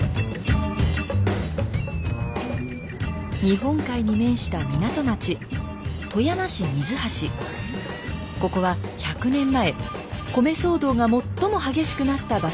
日本海に面した港町ここは１００年前米騒動が最も激しくなった場所の一つです。